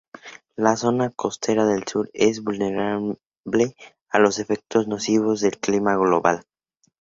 La zona costera del sur es vulnerable a los efectos nocivos del clima global.